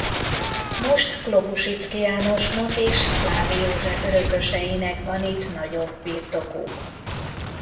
Most Klobusiczky Jánosnak és Szlávy József örököseinek van itt nagyobb birtokuk.